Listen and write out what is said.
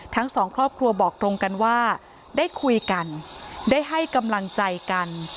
ทั้งสองครอบครัวบอกตรงกันว่าได้คุยกันได้ให้กำลังใจกัน